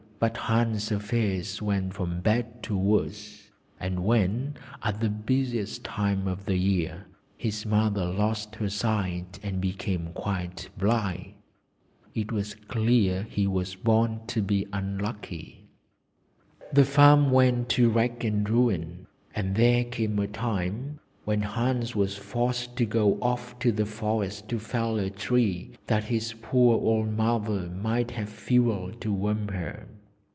But Hans' affairs went from bad to worse, and when (at the busiest time of the year) his mother lost her sight and became quite blind it was clear he was born to be unlucky. The farm went to rack and ruin, and there came a time when Hans was forced to go off to the forest to fell a tree that his poor old mother might have fuel to warm her.